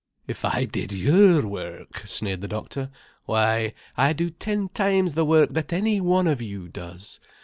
"If I did your work," sneered the doctor. "Why I do ten times the work that any one of you does.